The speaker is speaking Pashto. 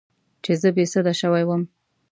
چې زه بې سده شوې وم.